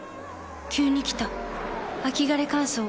急に来た秋枯れ乾燥。